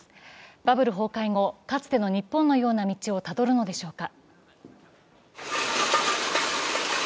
バブル崩壊後、かつての日本のような道をたどるのでしょうか